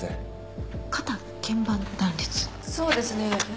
そうですね。